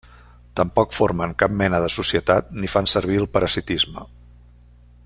Tampoc formen cap mena de societat ni fan servir el parasitisme.